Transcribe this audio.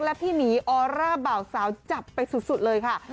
และพี่หนีออร่าบ่าวสาวจับไปสุดเลยค่ะ